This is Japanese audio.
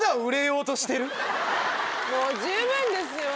もう十分ですよ。